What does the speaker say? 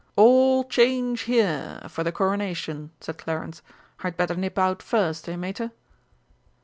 "All change here for the Coronation!" said Clarence. "I'd better nip out first, eh, Mater?"